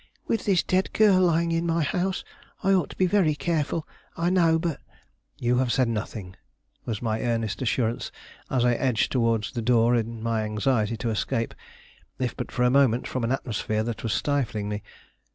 "With this dead girl lying in my house, I ought to be very careful, I know, but " "You have said nothing," was my earnest assurance as I edged towards the door in my anxiety to escape, if but for a moment, from an atmosphere that was stifling me.